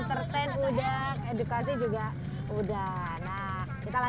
perharaan cinta dan rencana